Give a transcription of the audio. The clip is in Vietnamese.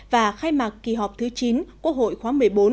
và khai mạc kỳ họp thứ chín quốc hội khóa một mươi bốn